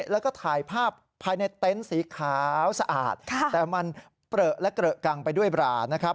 แล้วก็ถ่ายภาพภายในเต็นต์สีขาวสะอาดแต่มันเปลือและเกลอะกังไปด้วยบรานะครับ